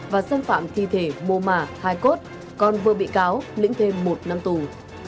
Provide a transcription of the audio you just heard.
và xâm phạm thi thể mô mà hai cốt còn vừa bị cáo lĩnh thêm một năm tù